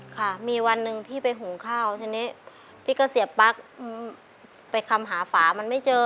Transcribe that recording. ค่ะมีวันหนึ่งพี่ไปหุงข้าวทีนี้พี่ก็เสียปั๊กไปคำหาฝามันไม่เจอ